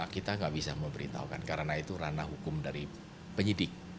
kita nggak bisa memberitahukan karena itu ranah hukum dari penyidik